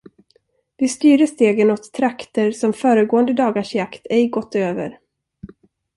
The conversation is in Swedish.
Vi styrde stegen åt trakter, som föregående dagars jakt ej gått över.